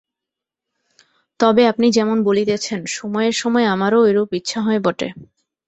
তবে আপনি যেমন বলিতেছেন, সময়ে সময়ে আমারও ঐরূপ ইচ্ছা হয় বটে।